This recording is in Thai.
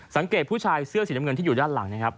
ผู้ชายเสื้อสีน้ำเงินที่อยู่ด้านหลังนะครับ